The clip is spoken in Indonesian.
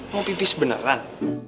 mau pipis beneran